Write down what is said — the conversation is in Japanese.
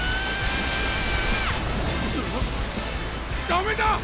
ダメだ！